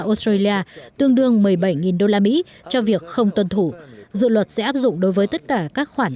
hai mươi năm usd tương đương một mươi bảy usd cho việc không tuân thủ dự luật sẽ áp dụng đối với tất cả các khoản